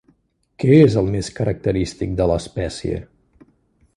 Què és el més característic de l'espècie?